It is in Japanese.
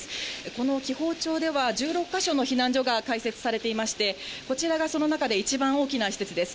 この紀宝町では、１６か所の避難所が開設されていまして、こちらがその中で一番大きな施設です。